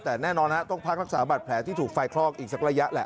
แต่แน่นอนต้องพักรักษาบัตรแผลที่ถูกไฟคลอกอีกสักระยะแหละ